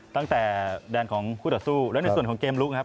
ตั้งแต่แดนของคู่ต่อสู้แล้วในส่วนของเกมลุกครับ